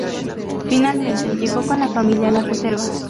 Finalmente, llegó con la familia a la reserva.